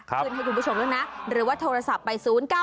ขึ้นให้ดูผู้ชมแล้วนะหรือว่าโทรศัพท์ไป๐๙๕๙๕๙๓๓๐๘